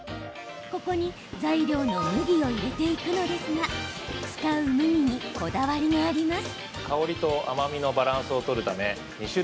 ここに材料の麦を入れていくのですが使う麦にこだわりがあります。